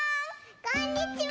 こんにちは！